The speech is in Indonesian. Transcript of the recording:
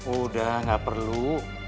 udah gak perlu